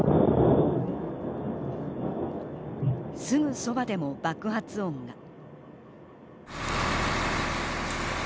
すぐそばでも爆発音が。